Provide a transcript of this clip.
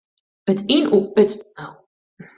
It útoefenjen fan druk bliuwt net beheind ta wurden.